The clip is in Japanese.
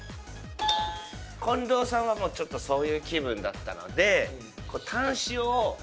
近藤さんはもうちょっとそういう気分だったので。